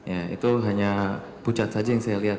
ya itu hanya pucat saja yang saya lihat